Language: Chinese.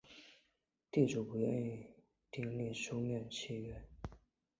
地主不愿意订立书面契约